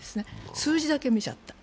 数字だけ見ちゃった。